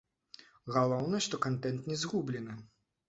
Галоўнае, што кантэнт не згублены.